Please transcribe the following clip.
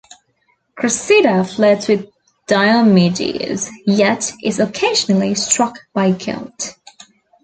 Cressida flirts with Diomedes, yet is occasionally struck by guilt.